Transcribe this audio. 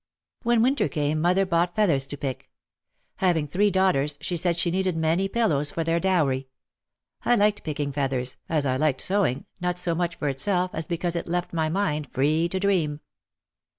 When winter came mother bought feathers to pick. Having three daughters she said she needed many pil lows for their dowry. I liked picking feathers, as I liked sewing, not so much for itself as because it left my mind free to dream.